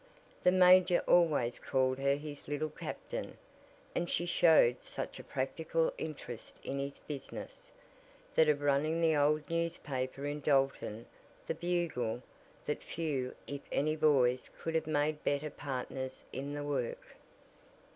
The major always called her his Little Captain, and she showed such a practical interest in his business, that of running the only newspaper in Dalton, The Bugle, that few, if any boys could have made better partners in the work.